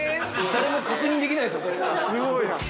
◆誰も確認できないです、それは。